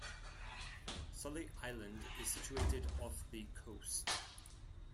Sully Island is situated off the coast.